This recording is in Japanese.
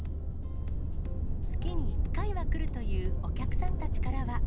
月に１回は来るというお客さんたちからは。